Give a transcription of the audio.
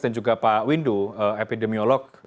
dan juga pak windu epidemiolog